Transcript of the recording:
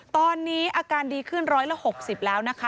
ตอนนี้อาการดีขึ้น๑๖๐แล้วนะคะ